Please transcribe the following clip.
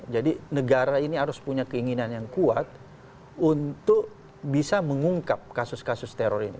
jadi negara ini harus punya keinginan yang kuat untuk bisa mengungkap kasus kasus teror ini